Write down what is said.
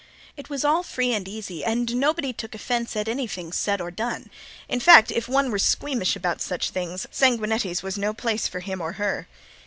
It was all free and easy and nobody took offense at anything said or done. In fact if one were squeamish about such things Sanguinetti's was no place for him or her.